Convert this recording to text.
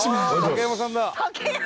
「竹山さん！」